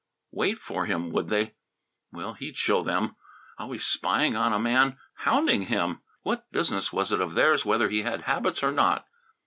Wait for him, would they? Well, he'd show them! Always spying on a man; hounding him! What business was it of theirs whether he had habits or not